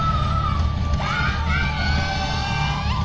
頑張れ！